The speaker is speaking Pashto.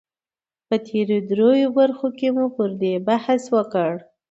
په تېرو دريو برخو کې مو پر دې بحث وکړ